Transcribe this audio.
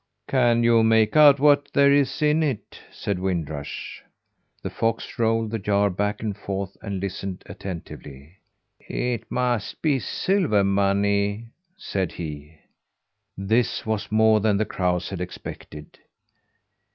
"Can you make out what there is in it?" said Wind Rush. The fox rolled the jar back and forth, and listened attentively. "It must be silver money," said he. This was more than the crows had expected.